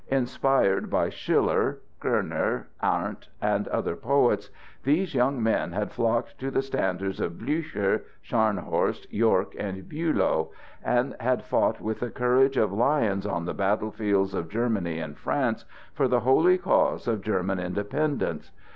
Inspired by Schiller, Körner, Arndt, and other poets, these young men had flocked to the standards of Blücher, Scharnhorst, York, and Bülow, and had fought with the courage of lions on the battle fields of Germany and France for the holy cause of German independence.